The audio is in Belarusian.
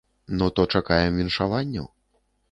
Ну то чакаем віншаванняў.